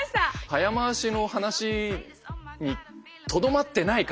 早回しの話にとどまってない感じ。